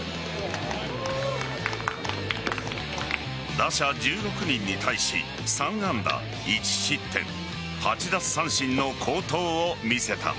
打者１６人に対し３安打１失点８奪三振の好投を見せた。